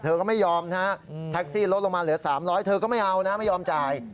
เธอก็ไม่ยอมนะฮะแท็กซี่ลดลงมาเหลือ๓๐๐เธอก็ไม่เอานะไม่ยอมจ่าย